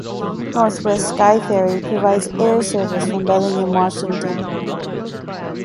Northwest Sky Ferry provides air service from Bellingham, Washington.